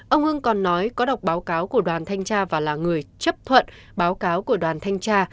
ông hưng còn nói có đọc báo cáo của đoàn thanh tra và là người chấp thuận báo cáo của đoàn thanh tra